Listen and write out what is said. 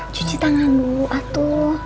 cuci tangan dulu atuh